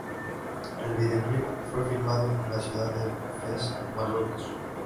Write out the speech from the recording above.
El video clip fue filmado en la ciudad de Fez, Marruecos.